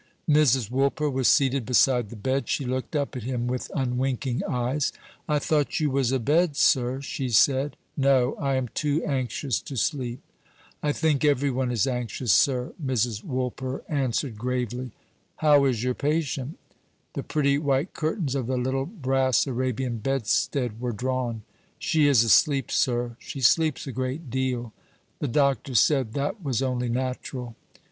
Mrs. Woolper was seated beside the bed. She looked up at him with unwinking eyes. "I thought you was abed, sir," she said. "No; I am too anxious to sleep." "I think every one is anxious, sir," Mrs. Woolper answered, gravely. "How is your patient?" The pretty white curtains of the little brass Arabian bedstead were drawn. "She is asleep, sir. She sleeps a great deal. The doctor said that was only natural."